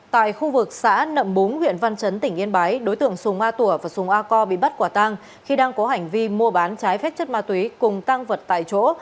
tại khu vực xã nậm búng huyện văn chấn tỉnh yên bái đối tượng sùng a tủa và sùng a co bị bắt quả tang khi đang có hành vi mua bán trái phép chất ma túy cùng tăng vật tại chỗ